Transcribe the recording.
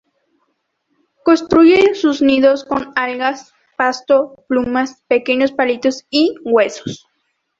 Construyen sus nidos con algas, pasto, plumas, pequeños palitos y huesos.